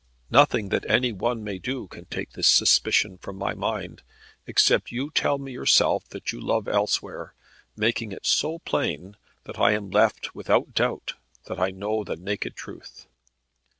Nothing that any one may do can take this suspicion from my mind, except you tell me yourself that you love elsewhere, making it so plain that I am left without doubt that I know the naked truth.